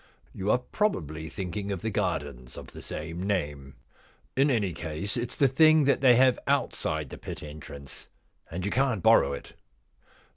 ' You are probably thinking of the Gardens of the same name.' * In any case it's the thing they have outside the pit entrance, and you can't borrow it.'